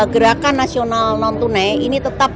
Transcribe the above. gerakan nasional nontunai ini tetap